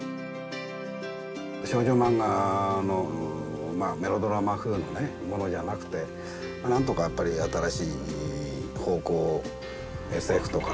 少女漫画のメロドラマ風のものじゃなくて何とかやっぱり新しい方向ＳＦとかね